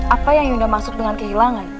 apa yang yunda maksud dengan kehilangan